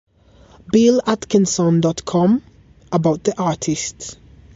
BillAtkinson dot com About The Artist.